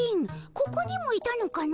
ここにもいたのかの。